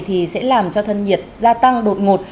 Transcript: thì sẽ làm cho thân nhiệt gia tăng đột ngột